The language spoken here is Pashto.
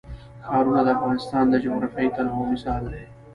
ښارونه د افغانستان د جغرافیوي تنوع مثال دی.